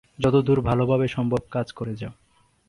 যতদূর ভালভাবে সম্ভব কাজ করে যাও।